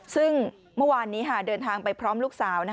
ซึ่งเมื่อวานนี้เดินทางไปพร้อมลูกสาว